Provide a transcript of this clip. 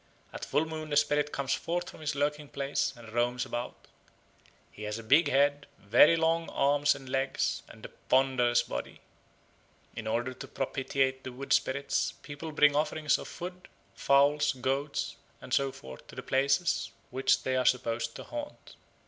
At full moon the spirit comes forth from his lurking place and roams about. He has a big head, very long arms and legs, and a ponderous body. In order to propitiate the wood spirits people bring offerings of food, fowls, goats, and so forth to the places which they are supposed to haunt.